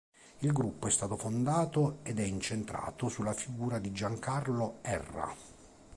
Il gruppo è stato fondato ed è incentrato sulla figura di Giancarlo Erra.